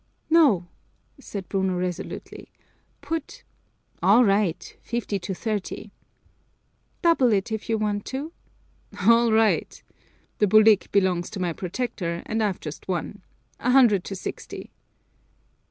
"No," said Bruno resolutely. "Put " "All right! Fifty to thirty!" "Double it if you want to." "All right. The bulik belongs to my protector and I've just won. A hundred to sixty!"